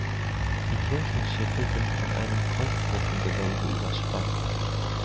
Die Kirchenschiffe sind von einem Kreuzrippengewölbe überspannt.